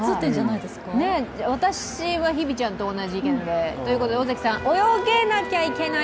私は日比ちゃんと同じ意見でということで尾関さん泳げなきゃいけない